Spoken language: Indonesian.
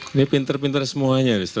ini pinter pinter semuanya